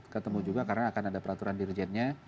ketemu juga karena akan ada peraturan dirjennya